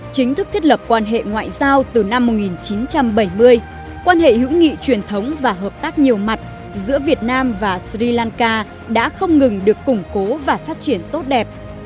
chính thức thiết lập quan hệ ngoại giao từ năm một nghìn chín trăm bảy mươi quan hệ hữu nghị truyền thống và hợp tác nhiều mặt giữa việt nam và sri lanka đã không ngừng được củng cố và phát triển tốt đẹp